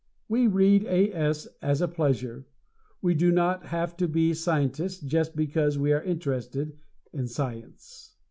We read A. S. as a pleasure. We do not have to be scientists just because we are interested in science!